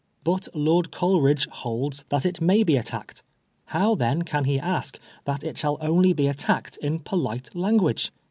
But Lord Coleridge holds that it may be attacked. How then can he ask that it shall only be attacked in polite language